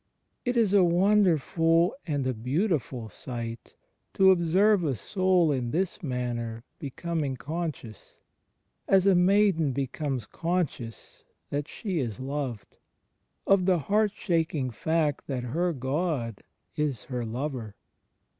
It is a wonderful and a beautiful sight to observe a soul in this manner becoming conscious — as a maiden becomes conscious that she is loved — of the heart shaking fact that her God is her Lover.